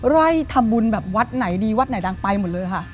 ไล่ทำบุญแบบวัดไหนดีวัดไหนดังไปหมดเลยค่ะ